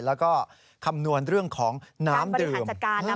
แล้วก็คำนวณเรื่องของน้ำดื่ม